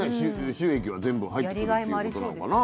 収益は全部入ってくるっていうことなのかなぁ。